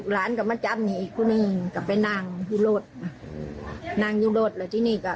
หลานกลับมาจับหนีอีกคนหนึ่งกลับไปนั่งยูโรธนั่งยูโรธแล้วที่นี่ก็